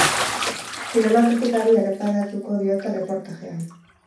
Zinema kritikari erreparatuko diote erreportajean.